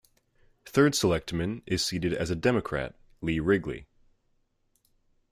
Third Selectman is seated as a Democrat, Lee Wrigley.